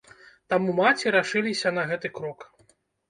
Таму маці рашыліся на гэты крок.